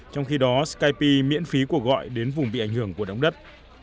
trong khi đó skype miễn phí cuộc gọi đến vùng bị ảnh hưởng của đống đất